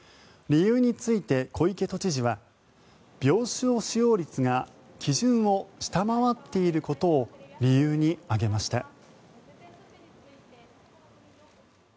理由について、小池都知事は病床使用率が基準を下回っていることを理由に挙げました。